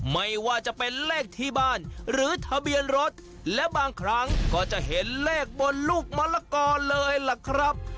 ไม่ว่าจะเป็นเลขที่บ้านหรือทะเบียนรถและบางครั้งก็จะเห็นเลขบนลูกมะละกอเลยล่ะครับ